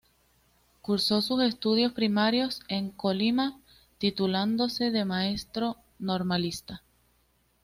Cursó sus estudios primarios en Colima, titulándose de maestro normalista.